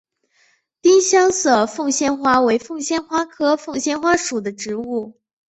丁香色凤仙花为凤仙花科凤仙花属的植物。